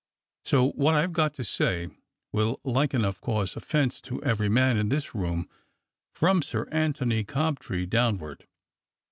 So what I've got to say will like enough cause offence to every man in this room from Sir Antony Cobtree down ward.